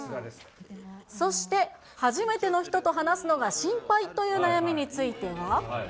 そして、初めての人と話すのが心配という悩みについては。